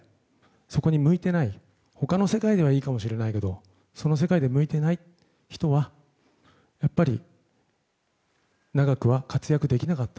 そこに向いていない他の世界ではいいかもしれないけどその世界で向いていない人はやっぱり長くは活躍できなかった。